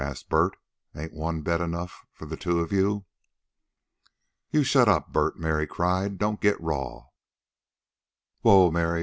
asked Bert. "Ain't one bed enough for the two of you?" "You shut up, Bert!" Mary cried. "Don't get raw." "Whoa, Mary!"